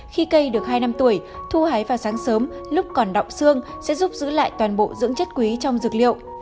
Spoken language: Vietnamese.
khi cây được hai năm tuổi thu hái vào sáng sớm lúc còn đọng xương sẽ giúp giữ lại toàn bộ dưỡng chất quý trong dược liệu